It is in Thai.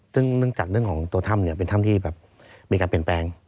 ซึ่งเนื่องจากเรื่องของตัวถ้ำเนี่ยเป็นถ้ำที่แบบมีการเปลี่ยนแปลง